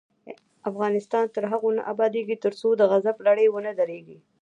افغانستان تر هغو نه ابادیږي، ترڅو د غصب لړۍ ونه دریږي.